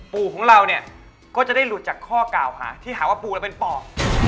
ปู่ของเราเนี่ยก็จะได้หลุดจากข้อกล่าวหาที่หาว่าปู่เราเป็นปอบ